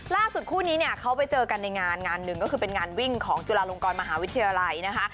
คู่นี้เนี่ยเขาไปเจอกันในงานงานหนึ่งก็คือเป็นงานวิ่งของจุฬาลงกรมหาวิทยาลัยนะคะ